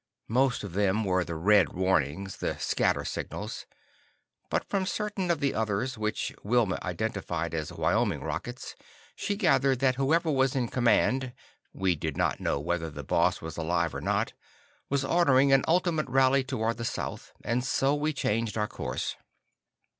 Most of them were the "red warnings," the "scatter" signals. But from certain of the others, which Wilma identified as Wyoming rockets, she gathered that whoever was in command (we did not know whether the Boss was alive or not) was ordering an ultimate rally toward the south, and so we changed our course.